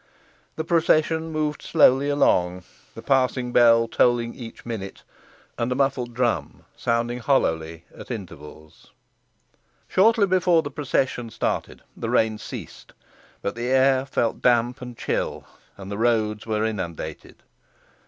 The procession moved slowly along, the passing bell tolling each minute, and a muffled drum sounding hollowly at intervals. Shortly before the procession started the rain ceased, but the air felt damp and chill, and the roads were inundated.